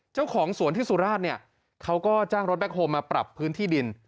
เจ้าของสวนที่สุราชเนี่ยเขาก็จ้างรถแคคโฮลมาปรับพื้นที่ดิน